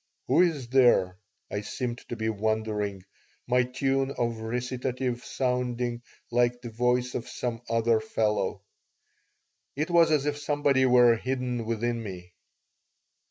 Who is there? I seemed to be wondering, my tune or recitative sounding like the voice of some other fellow. It was as if somebody were hidden within me.